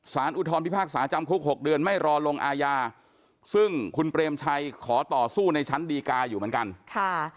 อุทธรพิพากษาจำคุก๖เดือนไม่รอลงอาญาซึ่งคุณเปรมชัยขอต่อสู้ในชั้นดีกาอยู่เหมือนกันค่ะ